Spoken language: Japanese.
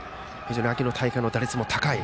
秋の大会の打率も高い。